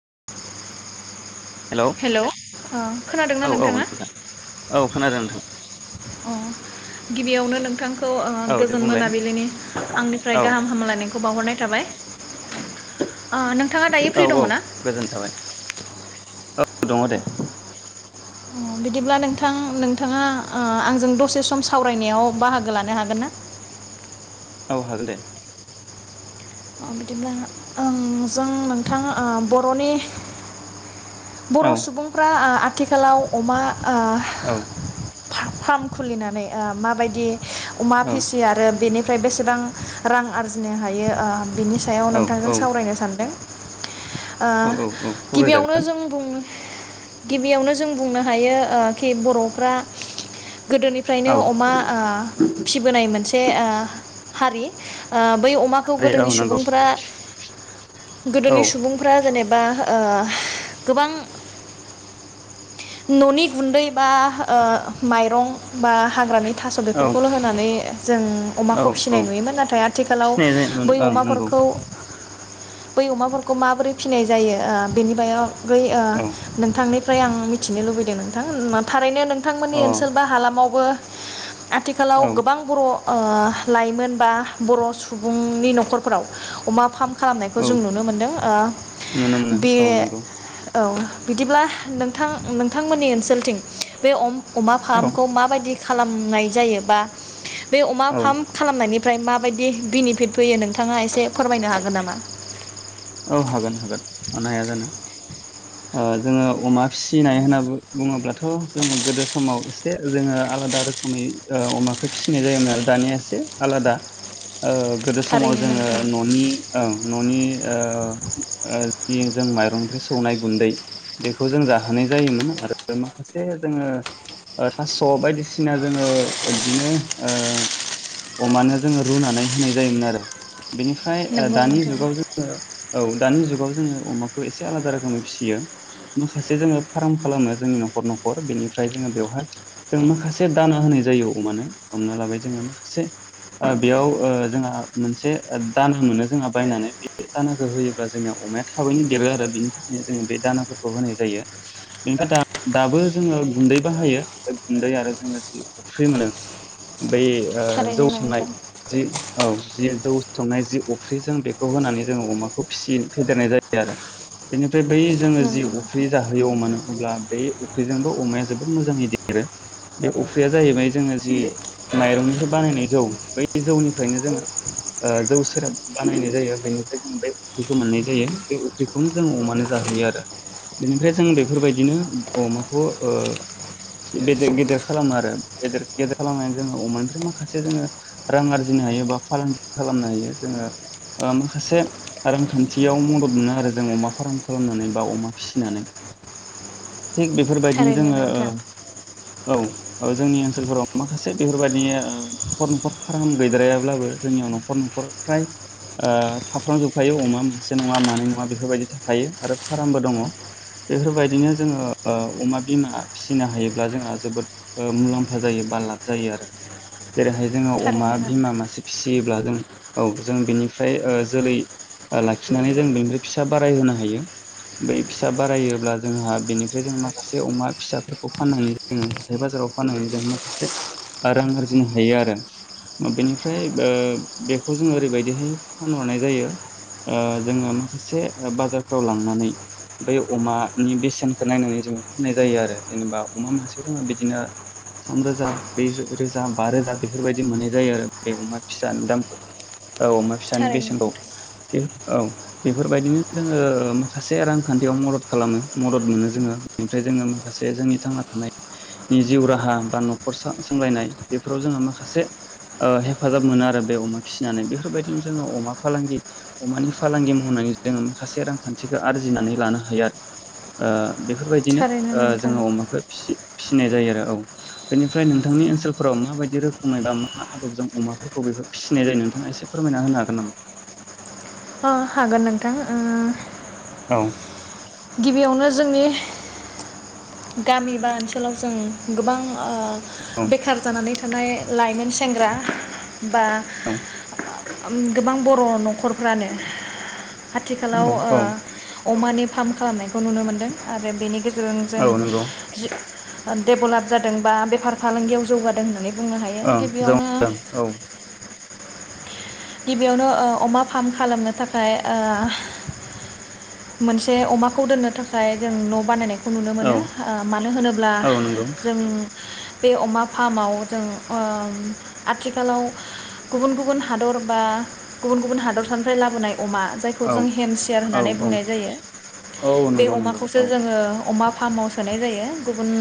[inaudible] Hello ओ खोनादोंना औ औ नोंथाङा नोंथां औ खोनादों नोंथां। अ गिबियावनो नोंथां त औ दे गोजोन बुंलाय मोनाबिलिनि आंनिफ्राय औ गाहाम हामलायनायखौ बावहरनाय थाबाय। नोंथाङा दायो औ फ्रि औ दङ ना? गोजोन थाबाय दङ दे। बिदिब्ला नोंथां नोंथाङा आंजों दसे सम सावरायनायाव बाहागो लानो हागोन ना? औ हागोन दे। बिदिब्ला जों नोंथाङा बर'नि औ बर' सुबुंफ्रा आथिखालाव अमा औ ओ फार्म खुलिनानै माबायदि अमा औ फिसियो आरो बेनि ओमफ्राय बेसेबां रां आरजिनो हायो? बिनि सायाव औ नोंथांजों सावरायनो सानदों। औ औ औ गिबियावनो सावरायजागोन जों बुंनो गिबियावनो जों बुंनो हायो खि बर'फ्रा गोदोनिफ्रायनो औ अमा फिबोनाय मोनसे ओ हारि बै अमाखौ आरो औ नंगौ सुबुंफ्रा औ गोदोनि सुबुंफ्रा जेनेबा बा ओ गोबां न'नि गुन्दै बा ओ माइरं बा हाग्रानि थास' औ बेफोरखौल' होनानै जों अमाखौ औ फिसिनाय औ नुयोमोन नाथाय आथिखालाव फिसिनाय जायो बै ओं नंगौ अमाफोरखौ बै अमाफोरखौ माबोरै फिनाय जायो ओ बेनि बायाव। बै ओ औ नोंथांनि। फ्राय आं मिथिनो लुबैदों नोंथां थारैनो नों। मोननि औ ओनसोल बा हालामावबो। औ आथिखालाव गोबां बर'। ओ लाइमोन बा बर' सुबुंनि न'खरफोराव अमा फाम। खालामनायखौ औ जों नुनो मोनदों नुनो ओ मोनो बे। औ नंगौ औ बिदिब्ला नोंथां नोंथांमोननि ओनसोलथिं बे अम। अमा औ फामखौ माबायदि। खालामनाय जायोबा। बे अमा औ फाम खालामनायनिऋ ओमफाय माबायदि बेनिफिट फैयो नोंथाङा एसे फोरमायनो हागोन नामा। औ हागोन हो मानो हाया जानो ओ जोङो अमा फिसिनाय होनना बुङोब्लाथ' जोङो गोदो समाव एसे जोङो आलादा रोखोमै अमाखौ फिसिनाय जायोमोन आरो दानिया एसे आलादा। ओ गोदो समाव थारैनो जोङो नोंथां न'नि। न'नि। ओ जि जों माइरं फो सौनाय गुन्दै बेखौ जों जाहोनाय जायोमोन आरो माखासे जोङो ओ थास' बायदिसिना जोङो बिदिनो ओ अमानो जोङो रुनानै होनाय जायोमोन आरो। बेनिफ्राय ओ नंगौ दानि नोंथां जुगाव जों। औ दानि जुगाव जोङो अमाखौ एसे आलादा रोखोमै फिसियो माखासे जोङो फार्म खालामनो जोंनि न'खर न'खर बेनिफ्राय जोङो बेवहाय जों माखासे दाना होनाय जायो अमानो हमना लाबाय जोङो माखासे ओ बेयाव ओ जोंहा मोनसे दाना मोनो जोंहा बायनानै। बे दानाखौ होयोब्ला जोंनिया अमाया थाबैनो देरो आरो बेनि थाखायनो जोङो बे दानाफोरखौ होनाय जायो बेनिफ्राय द दाबो जोङो गुन्दै बाहायो गुन्दै आरो जोङो जि अफ्रि मोनो। बै ओ जौ थारैनो सांनाय नोंथां जि औ। जि जौ संनाय जि अफ्रिजों बेखौ होनानै। जों अमाखौ फिसि फेदेरनाय जायो आरो बेनि। फे बै जोङो नंगौ जिउ उफ्रि जाहोयो‌‌ अमानो। अब्ला बे अफ्रिजोंबो अमाया जोबोद मोजाङै देरो बे अफ्रिया जाहैबाय जोङो जि माइरंनिफ्राय बानायनाय जौ बै जौनिफ्रायनो जोङो ओ जौ सेरेब बानायनाय जायो बेनि। ज बेख्रिखौ मोननाय जायो बेख्रिखौनो जों अमानो जाहोयो आरो बेनिफ्राय जों बेफोरबायदिनो अमाखौ ओ बेेदेर गेदेर खालामो आरो बेेदेर गेदेर खालामनानै जोङो अमानिफ्राय माखासे जोङो रां आरजिनो हायो बा फालांगि खालामनो हायो जोङो ओ माखासे। रांखान्थियाव मदद मोनो आरो जों अमा फार्म खालामनानै बा अमा फिसिनानै। थिग बेफोरबायदिनो थारैनो जोङो नोंथां ओ। औ ओ जोंनि ओनसोलफोराव माखासे बेफोरबदि ओ न'खर न'खर फाराम गैद्रायाब्लाबो जोंनियाव न'खर न'खर फ्राय। थाफ्रांजोबखायो अमा मोनासे नङा मानै नङा बेफोरबायदि थाखायो आरो फार्मबो दङ बेफोरबायदिनो जोङो ओ अमा बिमा फिसिनो हायोब्ला जोंहा जोबोद मुलाम्फा जायो बा लाब जायो आरो जेरैहाय जोङो अमा थारैनो बिमा नोंथां मासे फिसियोब्ला जों औ जों बेनिफ्राय ओ। जोरै लाखिनानै जों बेनिफ्राय फिसा बारायहोनो हायो बे फिसा बारायोायोब्ला जोंहा बेनिफ्राय जों माखासे अमा फिसाफोरखौ फाननानै जो हाथाय बाजाराव फाननानै जों माखासे रां आरजिनो हायो आरो ओ बेनिफ्राय ओ बेखौ जो ओरैबायदिहाय फानरनाय। जायो ओ जोङो माखासे बाजारफ्राव लांनानै बै अमानि बेसेनखौ नायनानै जोङो फाननाय जायो आरो जेनेबा अमा मासेयाव जोङो बिदिनो थाम रोजा ब्रै रोजा बा रोजा बेफोरबायदि मोननाय जायो आरो बे अमा फिसानि दाम। औ अमा फिसानि थारैनो बेसेनखौ। नोंथां बे औ बेफोरबायदिनो जोङो माखासे रांखान्थियाव मदद खालामो मदद मोनो जोङो बेनिफ्राय जोङो माखासे जोंनि थांना थानायनि जिउ राहा बा न'खर सामलायनाय बेफोराव जोङो माखासे हेफाजाब मोनो आरो बे अमा फिसिनानै बेफोरबायदिनो जोङो अमा। फालांगि अमानि फालांगि मावनानै जोङो माखासे रांखान्थिखौ आरजिनानै लानो हायो आरो। बेफोरबायदिनो थारैनो नोंथां जोङो अमाखौ फिसि फिसिनाय जायो आरो औ बेनिफ्राय नोंथांनि ओनसोलफोराव माबायदि रोखोमै बा मा आदबजों अमाफोरखौ बे फिसिनाय जायो नोंथाङा एसे फोरमायना होनो हागोन नामा। अ हागोन नोंथां ओ औ गिबियावनो जोंनि गामि बा ओनसोलाव जों गोबां आ औ बेखार जानानै थानाय लाइमोन सेंग्रा बा गोबां बर' न'खरफ्रानो औ आथिखालाव ओ अमानि फार्म खालामनायखौ नुनो मोनदों आरो बेनि गेजेर जों जों औ औ नंगौ डेभेलप जादों बा बेफार फालांगियाव जौगादों होननानै बुंनो हायो औ जों गिबियावनो औ गिबियावनो अमा फार्म खालामनो थाखाय आ मोनसे अमाखौ दोननो थाखाय जों न' बानायनाय खौ नुनो औ मोनो आ मानो होनोब्ला औ नंगौ जों बे अमा फामाव जों ओ उम आथिखालाव गुबुन गुबुन हादर बा गुबुन गुबुन हादरसानिफ्राय लाबोनाय अमा जायखौ औ जों हेमसियार औ होननानै बुंनाय औ जायो औ बे नंगौ नंगौ अमाखौसो औ जोङो अमा फामाव सोनाय जायो गुबुन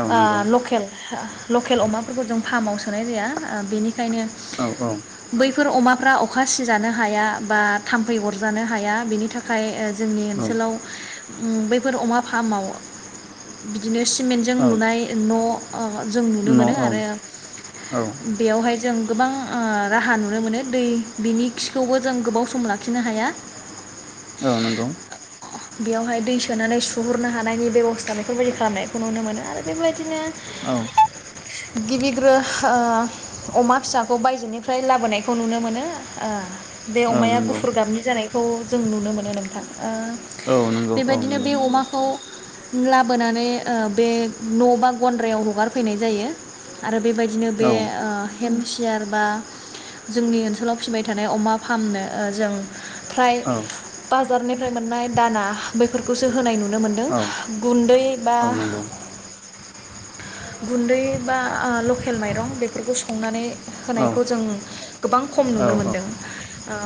औ आ नंगौ लकेल लकेल अमाफोरखौ जों फामाव सोनाय जाया आ बेनिखायनो औ औ बैफोर अमाफ्रा अखा सिजानो हाया बा थाम्फै अरजानो हाया बेनि थाखाय जोंनि औ ओनसोलाव उम बेैफोर अमा फामाव बि बिदिनो सिमेन्टजों औ लुनाय न' जों नुनो मोनो न' आरो औ औ बेयावहाय जों गोबां ओ राहा नुनो मोनो दै बिनि खिखौबो जों गोबाव सम लाखिनो हाया औ नंगौ बेयावहाय दै सोनानै सुहरनो हानायनि बेब'स्था बेफोरबायदि खालामनायखौ नुनो मोनो आरो बेबायदिनो औ गिबिग्रो ओ अमा फिसाखौ बायजोनिफ्राय लाबोनायखौ नुनो मोनो ओ बे औ अमाया नंगौ गुफुर गाबनि जानाय खौ जों नुनो मोनो नोंथा ओ औ नंगौ औ बेबायदिनो नंगौ बे अमाखौ लाबोनानै ओ बे न' बा गन्द्रायाव हगारफैनाय जायो आरो। बेबायदिनो बे औ ओ हेमसियार बा जोंनि ओनसोलाव फिबाय थानाय अमा फार्मनो ओ जों फ्राय औ बा जार निफ्राय मोननाय दाना बैफोरखौसो होनाय नु नुनो मोनदों औ गुन्दै बा औ नंगौ गुन्दै बा ओ लकेल माइरं बेफोरखौ संनानै औ होनायखौ जों गोबां खम औ नुनो औ मोनदों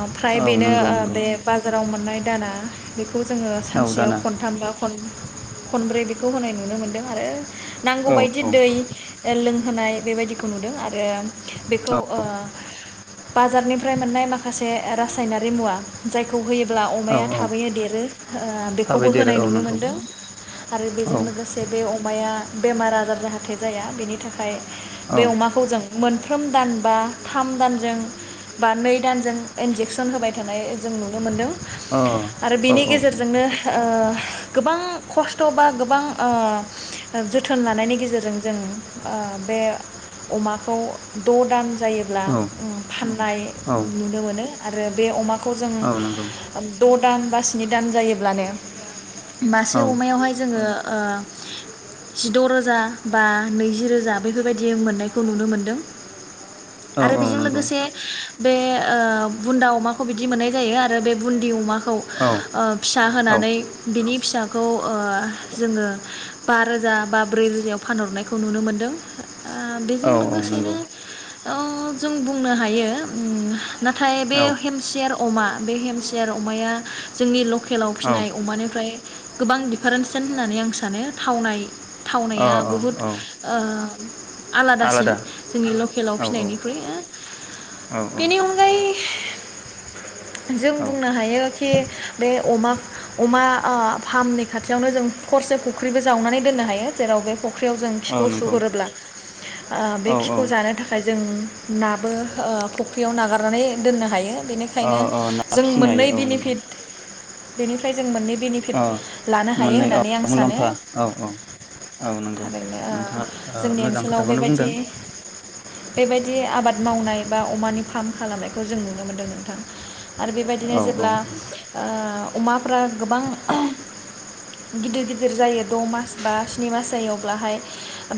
ओमफ्राय औ बेनो नंगौ नंगौ बे बाजार राव मोननाय दाना खौ जोङो औ सानसेयाव दाना खनथाम गाब खन-खनब्रै बेखौ होनाय नुनो मोनदों आरो। औ नांगौ बायदि औ दै ओ लों होनाय बेबायदिखौ नुदों आरो बेखौ औ ओ बाजारनिफ्राय मोननाय माखासे रासायनारि मुवा जायखौ होयो अब्ला औ अमाया औ थाबैनो देर आरो ओ थाबै बेखौबो देरो होनाय औ नुनो नंगौ मोनदों आरो औ बेजों लोगोसे बे अ अमाया बेमार आजार जाहाथे जाया बेनि थाखाय औ बे अमाखौ जों मोनफ्रोम दानबा थाम दानजों बा नै दानजों इनजेकसन होबाय थानाय जों नुनो मोनदों। अ आरो बेनि औ औ गेजेरजोंनो ओ गोबां खस्थ' बा गोबां ओ जोथोन लानायनि गेजेरजों जों ओ बे अमाखौ द' दान जायोब्ला औ ओ फाननाय औ नुनो मोनो। आरो बे अमा खौ जों औ नंगौ द' [unintelligible] नै दान जायोब्लानो औ मासे अमायावहाय जोङो ओ जिद' रोजा बा नैजि रोजा बैफोरबायदि मोननायखौ नुनो मोनदों। औ आरो औ बेजों नंगौ लोगोसे स बे ओ बुन्दा अमाखौ बिदि मोननाय जायो आरो बे बुन्दि अमा औ ओ फिसा औ होनानै बिनि फिसाखौ ओ जोङो बा रोजा बा ब्रै रोनायाव फानहरनायखौ नुनो मोनदों ओ बेजों औ औ नंगौ लोगोसेनो अ जों बुंनो हायो ओम नाथाय बे औ हेमसियार अमा बे हेमसियार अमाया जोंनि लकेल केलाव औ फिनाय अमानिफ्राय गोबां दिफारेन्सेन होननानै आं सानो थावनाय थावनाया औ बहुद औ ओ आलादासिन आलादा जोंनि लकेलाव औ फिनायनिख्रुइ औ औ बेनि अनगायै [inaudible] जों औ बुंनो हायो खि अमा - अमा ओ फामनि खाथियावनो जों खरसे फुख्रिबो जावनानै दोननो हायो जेराव बे फ फुख्रियाव जों औ बिखौ नंगौ सुहरोब्ला ओ औ बे खिखौ जानो थाखाय जों नाबो ओ फुख्रियाव नागारनानै दोननो हायो औ बेनिखायनो औ ना जों फिसिनो मोननै हायो औ नंगौ बेनिफिट बेनिफ्राय जों मोननै बेनिफिट औ लानो हायो मोननै औ होननानै आं सानो मुलाम्फा औ औ औ नंगौ थारैनो नोंथाङा ओ जोंनि मोजां ओनसोलाव खोथाखौनो बेबायदि बुंदों बेबायदि आबाद मावनाय बा अमानि फार्म खालामनायखौ जों नुनो मोनदों नोंथां आरो बेबायदिनो औ औ जेब्ला ओ अमाफोरा गोबां गिदिर गिदिर जायो द' मास बा स्नि मास जायो अब्लाहाय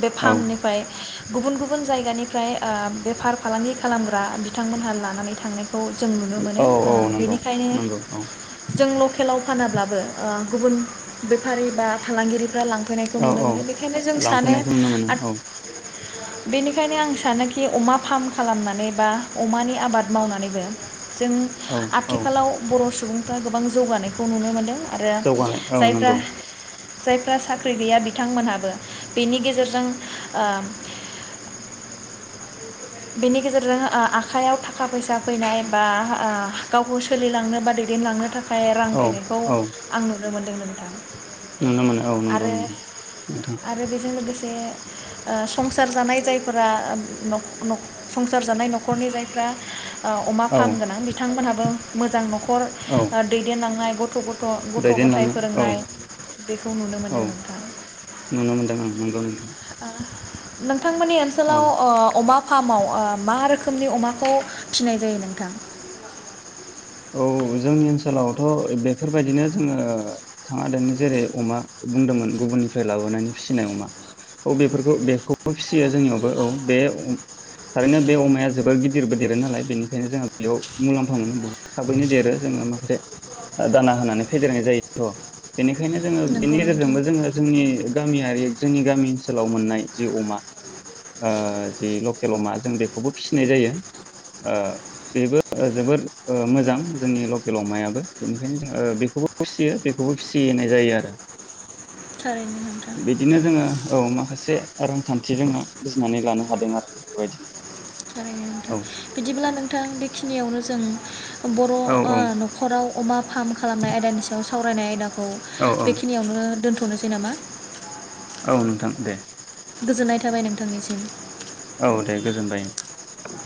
बे औ फार्मनिफ्राय गुबुन - गुबुन जायगानिफ्राय ओ बेफार फालांगि खालामग्रा बिथांमोनहा लानानै थांनाय खौ जों नुनो मोनो औ ओ औ नंगौ बेनिखायनो नंगौ औ जों लकेलाव फ फानाब्लाबो ओ गुबुन बेफारि बा फालांगिरि- फोरा लांफैनायखौ औ नुनो औ मोनो बेनिखायनो जों सानो लांफैनायखौ नुनो मोनो औ बेनिखायनो आं सानोखि अमा फार्म खालामनानै बा अमानि आबाद मावनानैबो जों औ औ आथिखालाव बर' सुबुंफ्रा गोबां जौगानायखौ नुनो मोनदों। आरो जौगानाय औ जायफ्रा। नंगौ जायफ्रा साख्रि गैया बिथांमोनहाबो बेनि गेजेरजों ओ। बेनि गेजेरजों ओ आखाइयाव थाखा फैसा फैनाय बा गावखौ सोलिलांनो बा दैदेनलांनो थाखाय। य रां औ फैनायखौ औ आं। नुनो मोनदों नोंथां‌। नुनो मोनो औ नंगौ नंगौ नोंथां। ओ संसार जानाय जायफोरा नख नख। संसार जानाय नखरनि जायफ्रा। अमा औ फार्म गोनां बिथांमोनहाबो मोजां नखर औ दैदेनलांनाय। गथफोर। दैदेनलांनो औ बेखौ नुनो मोनदों औ नोंथां नुनो मोनदों आं नंगौ नोंथां। नों थांमोनानि औ ओनसोलाव ओ अमा। फार्माव मा रोखोमनि अमाखौ फिसिनाय जायो नोंथां। औ औ जोंनि ओनसोलावथ बेफोरबायदिनो जोङो नोंथाङा दानि जेरै अमा बुंदोंमोन गुबुननिफ्राय लाबोनानै फिसिनाय अमा औ बेफोरखौ बेखौबो फिसियो जोंनियावबो औ बे थारैनो बे अमाया जोबोर गिदिरबो देरो नालाय बेनिखायनो जोङो बेयाव मुलाम्फा मोनो बहुत थाबैनो देरो जोङो माखासे दाना होनानै फेदेरनाय जायोथ बेनिखाय बेखायनो जोङो बेनि नंगौ नोंथां गेजेरजोंबो जोङो जोंनि गामियारि जोंनि गामि ओनसोलाव मोननाय जि अमा ओ जि लकेल अमा जों बेखौबो फिसिनाय जायो ओ बेबो जोबोद। ओ मोजां जोंनि लकेल अमायाबो बेनिखायनो जोङो बेखौबो फिसियो बेखौबो फिसिनाय जायो आरो। थारैनो नोंथां बिदिनो जोङो औ माखासे रांखान्थि जोङो बुजिनानै लानो हादों आरो बेबायदिनो थारैनो नोंथां औ। बिदिब्ला औ नोंथां बेखिनियावनो। जों। बर ओ औ नखराव अमा फार्म खालामनाय आयदानि सायाव‌। सावरायनाय आयदा। खौ औ औ बेखिनियावनो दोनथ नोसै नामा। औ नोंथां दे। गोजोननाय थाबाय नोंथांनिसिम। औ दे गोजोनबाय ओं।